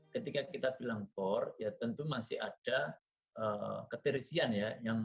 ketika kita bilang core ya tentu masih ada keterisian ya